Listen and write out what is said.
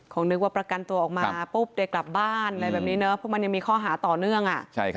นึกว่าประกันตัวออกมาปุ๊บได้กลับบ้านอะไรแบบนี้เนอะเพราะมันยังมีข้อหาต่อเนื่อง